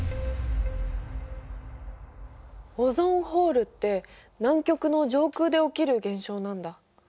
オゾンホールって南極の上空で起きる現象なんだ？